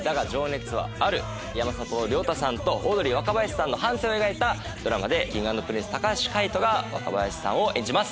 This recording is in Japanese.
山里亮太さんとオードリー・若林さんの半生を描いたドラマでＫｉｎｇ＆Ｐｒｉｎｃｅ・橋海人が若林さんを演じます。